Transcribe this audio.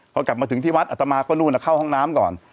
พอกลับมาถึงที่วัดอัตมาก็นู่นเข้าห้องน้ำก่อน